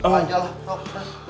pak aja lah sop